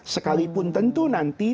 sekalipun tentu nanti